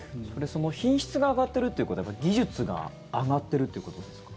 その品質が上がっているということは技術が上がっているということですか？